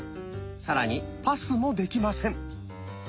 更にパスもできません。